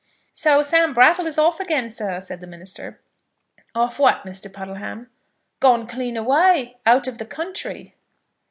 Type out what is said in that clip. "So Sam Brattle is off again, sir," said the minister. "Off what, Mr. Puddleham?" "Gone clean away. Out of the country."